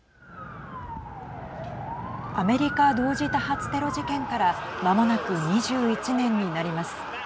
アメリカ同時多発テロ事件からまもなく２１年になります。